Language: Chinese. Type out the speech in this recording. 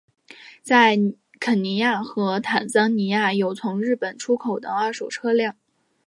在肯尼亚和坦桑尼亚有从日本出口的二手车辆。